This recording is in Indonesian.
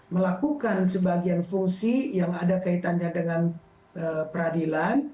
melakukan sebagian fungsi yang ada kaitannya dengan peradilan